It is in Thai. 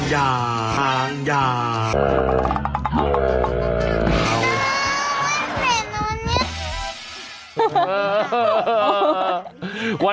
ช้างช้างเจ๊าเผลอเคยเห็นช้างดีเปล่า